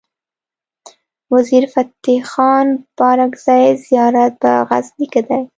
وزیر فتح خان بارګزی زيارت په غزنی کی دی